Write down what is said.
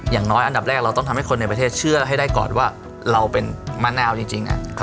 อย่างน้อยอันดับแรกเราต้องทำให้คนในประเทศเชื่อให้ได้ก่อนว่าเราเป็นมะนาวจริง